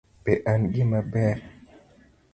Be an gima ber